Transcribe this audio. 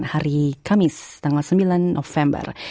hari kamis tanggal sembilan november